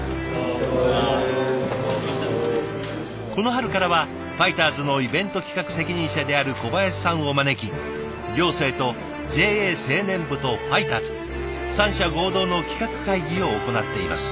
この春からはファイターズのイベント企画責任者である小林さんを招き行政とＪＡ青年部とファイターズ三者合同の企画会議を行っています。